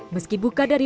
mbak kan iniku gambar